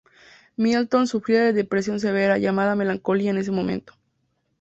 Middleton sufría de depresión severa, llamada "melancolía" en ese momento.